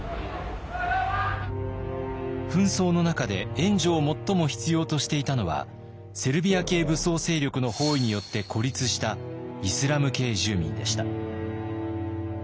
紛争の中で援助を最も必要としていたのはセルビア系武装勢力の包囲によって孤立したイスラム系住民でした。